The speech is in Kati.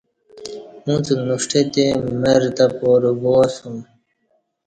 اݩڅ نݜٹہ تے مرہ تہ پارہ گوا سوم